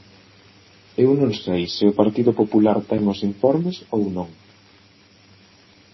Eu non sei se o Partido Popular ten os informes ou non.